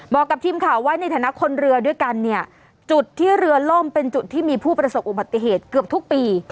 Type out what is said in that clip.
บอกกับทีมข่าวไว้ในฐานะคนเรือด้วยกันเนี่ยจุดที่เรือล่มเป็นจุดที่มีผู้ประสบอุบัติเหตุเกือบทุกปี